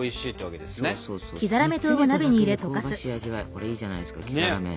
これいいじゃないですか黄ざらめ。